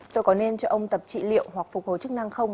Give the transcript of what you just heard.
tôi có nên cho ông tập trị liệu hoặc phục hồi chức năng không